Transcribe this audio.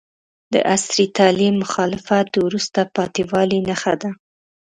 د عصري تعلیم مخالفت د وروسته پاتې والي نښه ده.